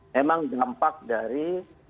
memang dampak dari